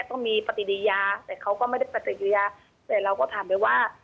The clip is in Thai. เขาก็ต้องมีปฏิริยาแต่เขาก็ไม่ได้ปฏิริยาแต่เราก็ถามเลยว่า